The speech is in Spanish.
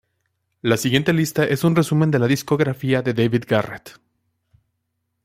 La siguiente lista es un resumen de la discografía de David Garrett